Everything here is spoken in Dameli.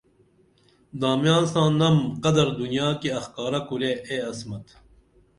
دامیاں ساں نم قدر دُنیا کی اخکارہ کُرے اے عصمت